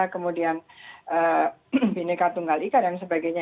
kemudian bineka tunggal ika dan sebagainya